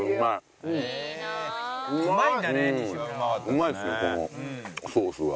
うまい！